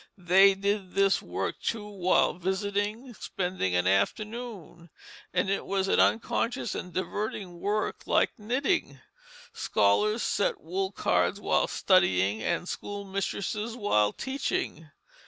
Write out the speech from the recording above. They did this work, too, while visiting spending an afternoon; and it was an unconscious and diverting work like knitting; scholars set wool cards while studying, and schoolmistresses while teaching.